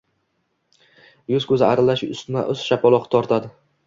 Yuz-ko‘zi aralash ustma-ust shapaloq tortadi.